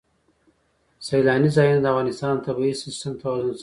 سیلانی ځایونه د افغانستان د طبعي سیسټم توازن ساتي.